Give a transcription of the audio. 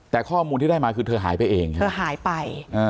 แต่ข้อมูลที่ได้มาคือเธอหายไปเองใช่ไหมเธอหายไป